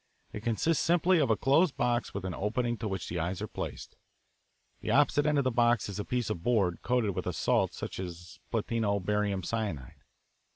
It consists simply of a closed box with an opening to which the eyes are placed. The opposite end of the box is a piece of board coated with a salt such as platino barium cyanide.